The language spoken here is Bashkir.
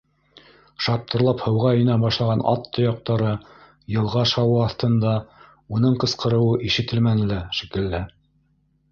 - Шаптырлап һыуға инә башлаған ат тояҡтары, йылға шауы аҫтында уның ҡысҡырыуы ишетелмәне лә, шикелле.